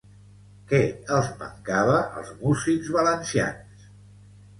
Què els mancava als músics valencians?